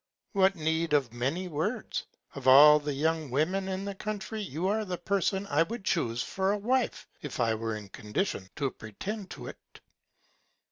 What Need of many Words? Of all the young Women in the Country you are the Person I would chuse for a Wife, if I were in Condition to pretend to't.